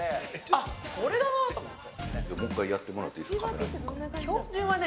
あ、これだなと思って。